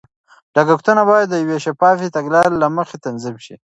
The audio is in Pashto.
لګښتونه باید د یوې شفافې تګلارې له مخې تنظیم شي.